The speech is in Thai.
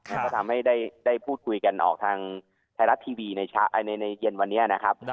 ก็ทำให้ได้พูดคุยกันออกทางไทยรัฐทีวีในเย็นวันนี้นะครับ